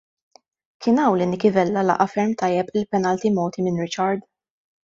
Kien hawn li Nicky Vella laqa' ferm tajjeb il-penalti mogħti minn Richard.